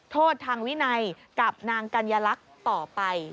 โทษทางวินัยกับนางกัญลักษณ์ต่อไป